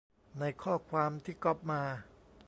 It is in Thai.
ในข้อความที่ก๊อปมา